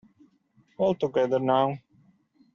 All together now.